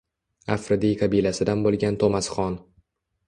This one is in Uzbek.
Afridiy qabilasidan bo’lgan To’masxon